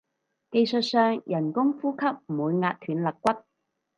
技術上人工呼吸唔會壓斷肋骨